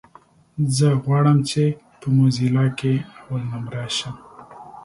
زه غواړم چې په موزيلا کې اولنومره شم.